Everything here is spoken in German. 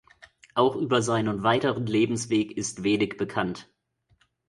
Auch über seinen weiteren Lebensweg ist wenig bekannt.